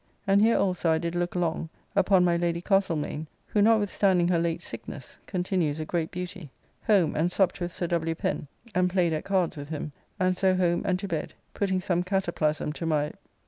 And here also I did look long upon my Lady Castlemaine, who, notwithstanding her late sickness, continues a great beauty. Home and supped with Sir W. Pen and played at cards with him, and so home and to bed, putting some cataplasm to my....